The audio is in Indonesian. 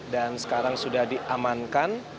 dan sekarang sudah diamankan